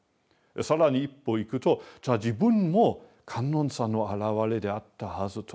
更に一歩行くとじゃあ自分も観音さんのあらわれであったはずと。